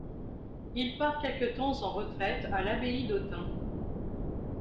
Il part quelque temps en retraite à l'abbaye d'Autun.